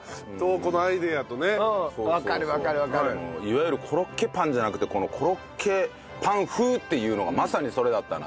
いわゆるコロッケパンじゃなくてこのコロッケパン風っていうのがまさにそれだったなっていうね。